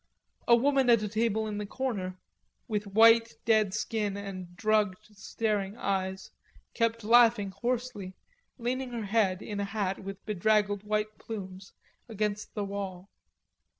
A woman at a table in the corner, with dead white skin and drugged staring eyes, kept laughing hoarsely, leaning her head, in a hat with bedraggled white plumes, against the wall.